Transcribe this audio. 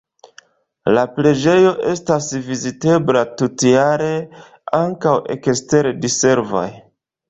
La preĝejo estas vizitebla tutjare, ankaŭ ekster diservoj.